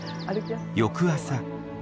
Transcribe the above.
翌朝。